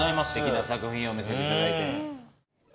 すてきな作品を見せていただいて。